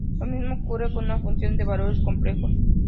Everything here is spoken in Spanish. Lo mismo ocurre con una función de valores complejos.